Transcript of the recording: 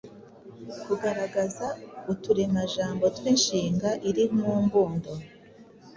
Kugaragaza uturemajambo tw’inshinga iri mu mbundo